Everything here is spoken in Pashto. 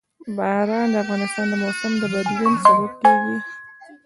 باران د افغانستان د موسم د بدلون سبب کېږي.